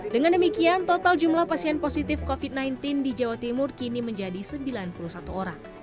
dengan demikian total jumlah pasien positif covid sembilan belas di jawa timur kini menjadi sembilan puluh satu orang